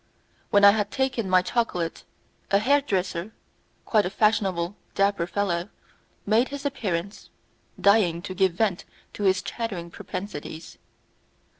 When I had taken my chocolate, a hair dresser quite a fashionable, dapper fellow made his appearance, dying to give vent to his chattering propensities.